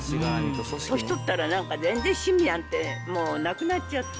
年取ったら、全然趣味なんてもうなくなっちゃった。